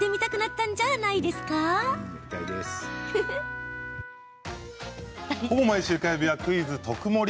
ほぼ毎週火曜日は「クイズとくもり」。